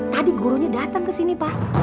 tadi gurunya datang ke sini pak